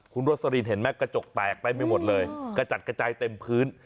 คุณโรสลินเห็นไหมกระจกแตกเต็มไปหมดเลยกระจัดกระจายเต็มพื้น